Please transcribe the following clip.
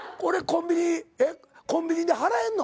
コンビニで払えんの？